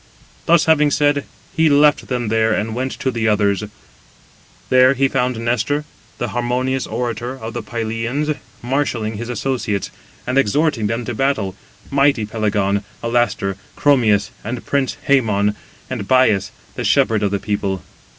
Thus having said, he left them there and went to the others; there he found Nestor, the harmonious orator of the Pylians, marshalling his associates, and exhorting them to battle, mighty Pelagon, Alastor, Chromius, and prince Hæmon, and Bias the shepherd of the people.